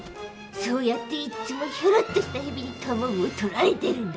そうやっていつもヒョロッとしたヘビに卵を取られてるんだ。